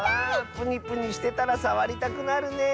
プニプニしてたらさわりたくなるね。